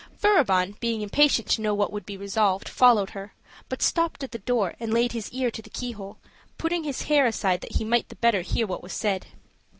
Furibon, being impatient to know what would be resolved, followed her; but stopped at the door and laid his ear to the keyhole, putting his hair aside that he might the better hear what was said.